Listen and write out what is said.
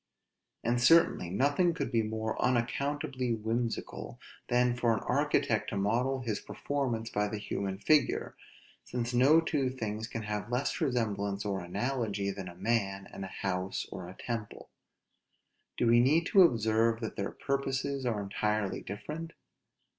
And certainly nothing could he more unaccountably whimsical, than for an architect to model his performance by the human figure, since no two things can have less resemblance or analogy, than a man, and a house or temple: do we need to observe that their purposes are entirely different?